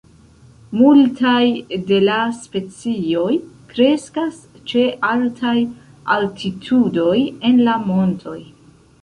Multaj de la specioj kreskas ĉe altaj altitudoj en la montoj.